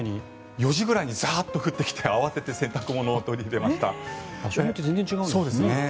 ４時ぐらいにザッと降ってきて場所によって全然違うんですね。